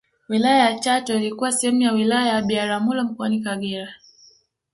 wilaya ya chato ilikuwa sehemu ya wilaya ya biharamulo mkoani kagera